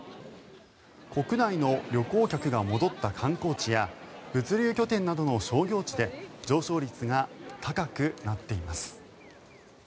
国内の旅行客が戻った観光地や物流拠点などの商業地で上昇率が高くなっています。